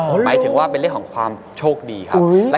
หมายถึงว่าเป็นเรื่องของความโชคดีครับ